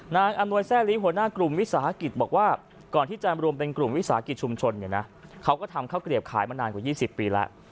อำนวยแซ่ลีหัวหน้ากลุ่มวิสาหกิจบอกว่าก่อนที่จะรวมเป็นกลุ่มวิสาหกิจชุมชนเนี่ยนะเขาก็ทำข้าวเกลียบขายมานานกว่า๒๐ปีแล้ว